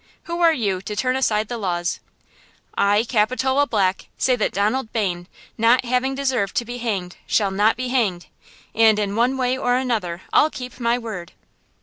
Who are you, to turn aside the laws?" "I, Capitola Black, say that Donald Bayne, not having deserved to be hanged, shall not be hanged! And in one way or another I'll keep my word!"